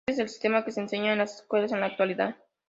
Éste es el sistema que se enseña en las escuelas en la actualidad.